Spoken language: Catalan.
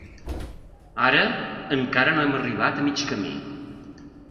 Ara, encara no hem arribat a mig camí.